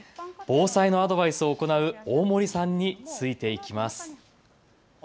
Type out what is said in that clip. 防災のアドバイスを行う大森さんについて行きます。